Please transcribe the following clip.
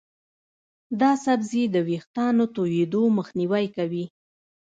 دا سبزی د ویښتانو تویېدو مخنیوی کوي.